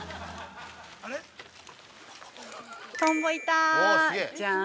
トンボいたー。